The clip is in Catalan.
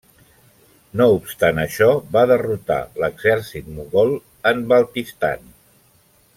No obstant això, va derrotar l'exèrcit mogol en Baltistan.